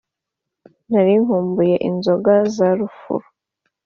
nari nkumbuye inzoga za rufuro